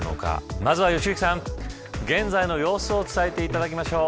まずは良幸さん、現在の様子をお伝えしてもらいましょう。